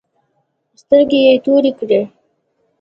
سترگې يې تورې کړې.